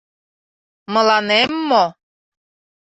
Мыланем мо?